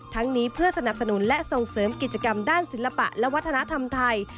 นี้เพื่อสนับสนุนและส่งเสริมกิจกรรมด้านศิลปะและวัฒนธรรมไทย